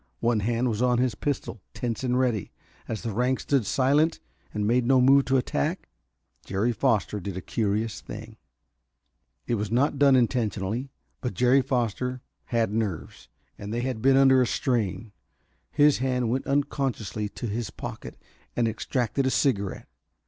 One hand was on his pistol, tense and ready. As the ranks stood silent and made no move to attack, Jerry Foster did a curious thing. It was not done intentionally, but Jerry Foster had nerves, and they had been under a strain. His hand went unconsciously to his pocket and extracted a cigarette.